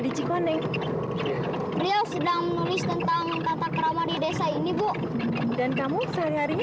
di cikone rio sedang menulis tentang tata kerama di desa ini bu dan kamu sehari harinya